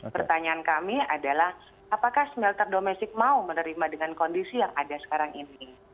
pertanyaan kami adalah apakah smelter domestik mau menerima dengan kondisi yang ada sekarang ini